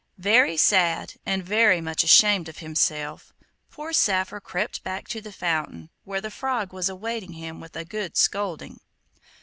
Very sad, and very much ashamed of himself poor Saphir crept back to the fountain, where the Frog was awaiting him with a good scolding.